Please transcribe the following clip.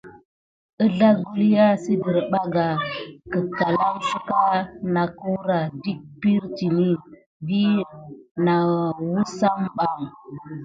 Ezla kulià siderbakane kekalan siga nakura dik piritite vis nawuzamban.